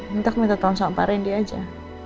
minta minta tau sama pak rindy aja